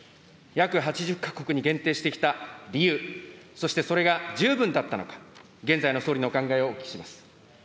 約８０か国に限定してきた理由、そしてそれが十分だったのか、現在の総理のお考えをお聞きします。